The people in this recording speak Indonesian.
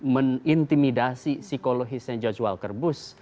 menintimidasi psikologisnya george walker bush